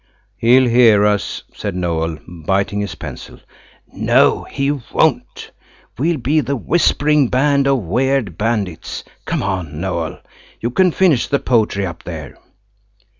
"He'll hear us," said Noël, biting his pencil. "No, he won't. We'll be the Whispering Band of Weird Bandits. Come on, Noël; you can finish the poetry up here."